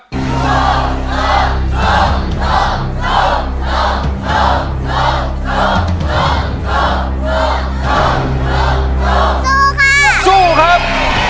สู้ค่ะสู้ครับ